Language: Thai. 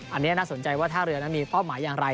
อันนี้น่าสนใจว่าท่าเรือนั้นมีเป้าหมายอย่างไร